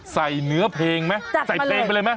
เนื้อเพลงไหมใส่เพลงไปเลยไหม